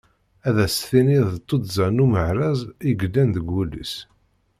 Ad as-tiniḍ d tuddza n umehraz i yellan deg wul-is.